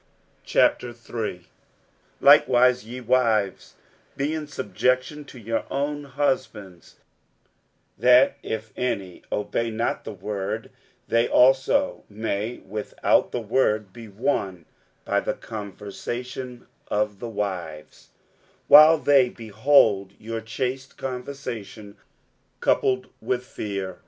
60:003:001 Likewise, ye wives, be in subjection to your own husbands; that, if any obey not the word, they also may without the word be won by the conversation of the wives; 60:003:002 While they behold your chaste conversation coupled with fear.